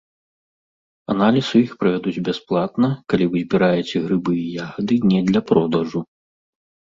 Аналіз у іх правядуць бясплатна, калі вы збіраеце грыбы і ягады не для продажу.